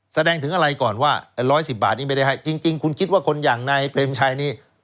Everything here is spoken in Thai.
แสดงถึงอะไรก่อนว่า๑๑๐บาทนี้ไม่ได้ให้จริงคุณคิดว่าคนอย่างนายเปรมชัยนี้